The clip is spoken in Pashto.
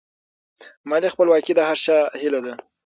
مالي خپلواکي د هر چا هیله ده.